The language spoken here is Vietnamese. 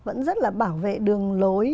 vẫn rất là bảo vệ đường lối